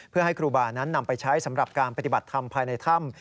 เพื่อให้ครูบานั้นนำไปใช้สำหรับการปฏิบัติธรรมภายในถ้ำ